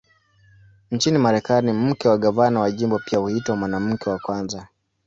Nchini Marekani, mke wa gavana wa jimbo pia huitwa "Mwanamke wa Kwanza".